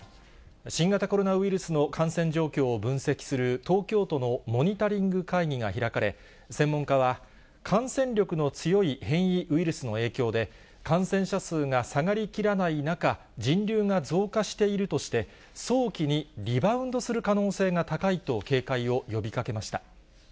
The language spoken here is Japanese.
新型コロナウイルスの感染状況を分析する東京都のモニタリング会議が開かれ、専門家は、感染力の強い変異ウイルスの影響で、感染者数が下がりきらない中、人流が増加しているとして、早期にリバウンドする可能性が高いと警戒を呼びかけました。